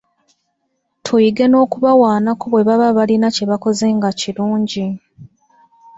Tuyige n’okubawaanako bwe baba balina kye bakoze nga kirungi.